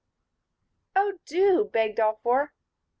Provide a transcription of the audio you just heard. "Oh, do," begged all four.